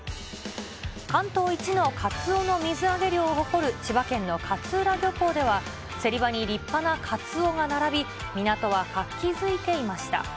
関東一のカツオの水揚げ量を誇る千葉県の勝浦漁港では、競り場に立派なカツオが並び、港は活気づいていました。